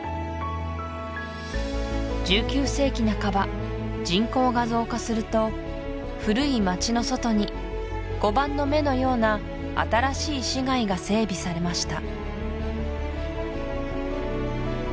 １９世紀半ば人口が増加すると古い街の外に碁盤の目のような新しい市街が整備されました